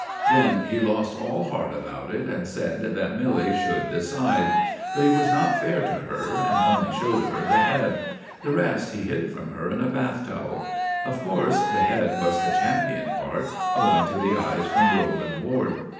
Then he lost all heart about it and said that Milly should decide; but he was not fair to her, and only showed her the head. The rest he hid from her in a bath towel. Of course the head was the champion part, owing to the eyes from Rowland Ward.